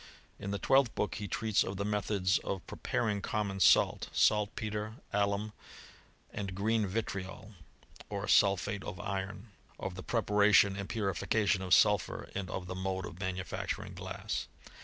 In the twelfth book he treats of the methods of pre paring common salt, saltpetre, alum, and green vitriol, or sulphate of iron ; of the preparation and purification of sulphur, and of the mode of manufacturing glass.